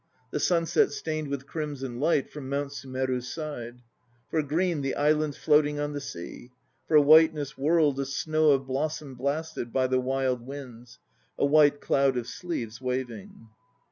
The sunset stained with crimson light From Mount Sumeru's side; 4 For green, the islands floating on the sea; For whiteness whirled A snow of blossom blasted By the wild winds, a white cloud Of sleeves waving.